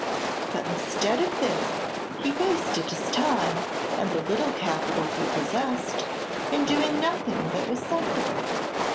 But instead of this he wasted his time and the little capital he possessed in doing nothing that was sensible."